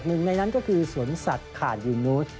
หนึ่งในนั้นก็คือสวนสัตว์ขาดยูนูส